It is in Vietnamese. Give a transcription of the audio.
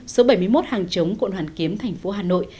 số bảy mươi một hàng chống quận hoàn kiếm tp hà nội